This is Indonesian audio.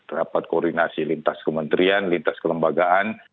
rapat koordinasi lintas kementerian lintas kelembagaan